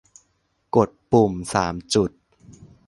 กดปุ่มสามจุด